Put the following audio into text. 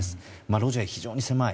路地が非常に狭い。